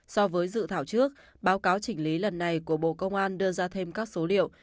so với dự thảo trước báo cáo chỉnh lý lần này của bộ công an đưa ra thêm các số liệu